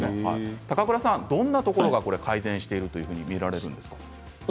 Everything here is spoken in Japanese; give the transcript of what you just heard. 高倉さん、どんなところが改善していると見られるんですか。